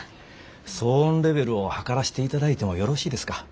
騒音レベルを測らしていただいてもよろしいですか？